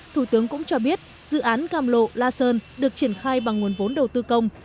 thủ tướng cũng cho biết dự án cam lộ la sơn được triển khai bằng nguồn vốn đầu tư công